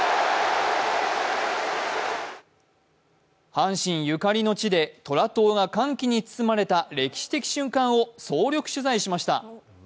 阪神ゆかりの地で虎党が歓喜に包まれた歴史的な瞬間を総力取材しました。